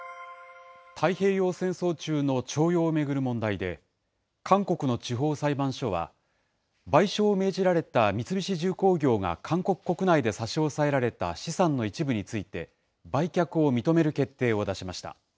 太平洋戦争中の徴用を巡る問題で、韓国の地方裁判所は、賠償を命じられた三菱重工業が韓国国内で差し押さえられた資産の一部について、売却を認める決定を出しました。